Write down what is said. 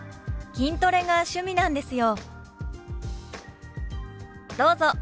「筋トレが趣味なんですよ」。